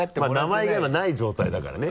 名前が今ない状態だからね。